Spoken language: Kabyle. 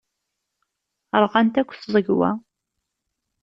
Rɣant akk tẓegwa.